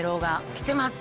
きてます。